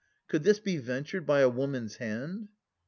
Could this be ventured by a woman's hand?